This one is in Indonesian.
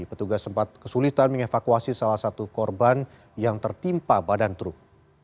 petugas sempat kesulitan mengevakuasi salah satu korban yang tertimpa badan truk